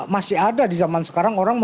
masih ada di zaman sekarang orang